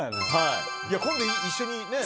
今度、一緒に。